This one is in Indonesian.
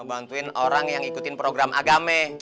ngebantuin orang yang ikutin program agame